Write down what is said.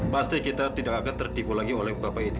pasti kita tidak akan tertipu lagi oleh bapak ini